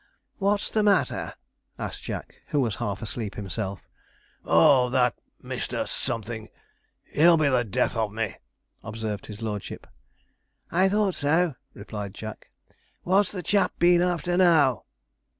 'What's the matter?' asked Jack, who was half asleep himself. [Illustration: HIS LORDSHIP AND JACK] 'Oh, that Mister Something! he'll be the death of me!' observed his lordship. 'I thought so,' replied Jack; 'what's the chap been after now?'